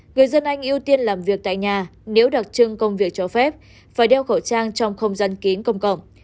người dân anh ưu tiên làm việc tại nhà nếu đặc trưng công việc cho phép phải đeo khẩu trang trong không gian kín công cộng